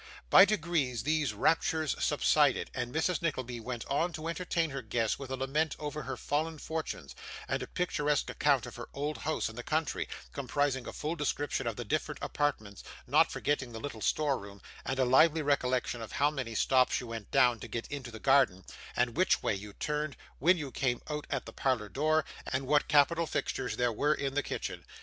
By degrees these raptures subsided, and Mrs. Nickleby went on to entertain her guests with a lament over her fallen fortunes, and a picturesque account of her old house in the country: comprising a full description of the different apartments, not forgetting the little store room, and a lively recollection of how many steps you went down to get into the garden, and which way you turned when you came out at the parlour door, and what capital fixtures there were in the kitchen.